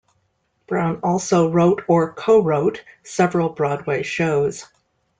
Brown also wrote or co-wrote several Broadway shows.